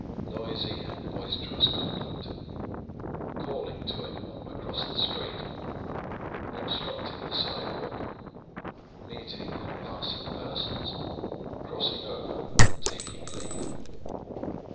_ Noisy and boisterous conduct. Calling to any one across the street. Obstructing the sidewalk. _Meeting and passing persons, crossing over, and taking leave.